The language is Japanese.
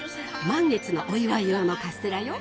満月のお祝い用のカステラよ。